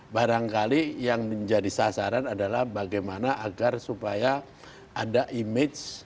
barangkali yang menjadi sasaran adalah bagaimana agar supaya ada image